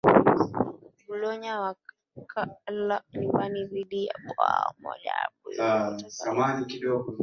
bulonya wakalala nyumbani dhidi ya kwa bao moja kwa mbuyu kutoka kwa ac roma